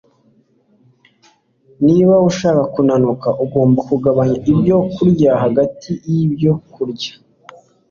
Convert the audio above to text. niba ushaka kunanuka, ugomba kugabanya ibyo kurya hagati yibyo kurya